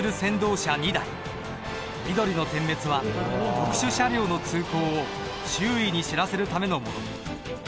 緑の点滅は特殊車両の通行を周囲に知らせるためのもの。